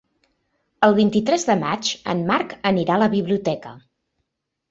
El vint-i-tres de maig en Marc anirà a la biblioteca.